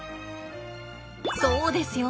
そうですよ。